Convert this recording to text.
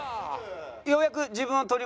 ようやく自分を取り戻した感じ。